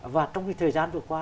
và trong cái thời gian vừa qua